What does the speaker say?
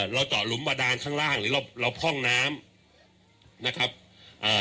เราเจาะหลุมบาดานข้างล่างหรือเราเราพ่องน้ำนะครับเอ่อ